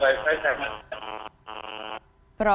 saya tidak bisa mendengar